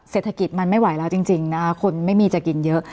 เศรษฐกิจมันไม่ไหวแล้วจริงนะคะคนไม่มีจะกินเยอะ